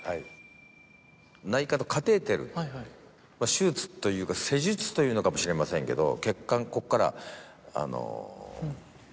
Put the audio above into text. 手術というか施術というのかもしれませんけど。